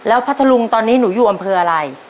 แล้วพัดธาลุงตอนนี้หนูอยู่อำเภาะอะไร